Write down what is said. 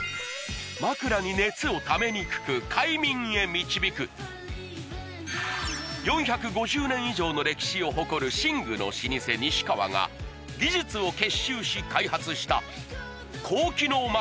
枕に熱をためにくく快眠へ導く４５０年以上の歴史を誇る寝具の老舗西川が技術を結集し開発した高機能枕